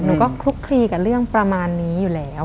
หนูก็คลุกคลีกับเรื่องประมาณนี้อยู่แล้ว